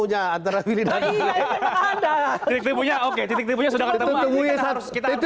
ya antara pilih pilih ada titik titik punya oke titik titik punya sudah ketemu ya satu kita